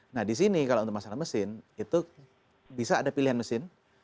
nah disini kalau masalah mesin itu bisa ada pilihan mesin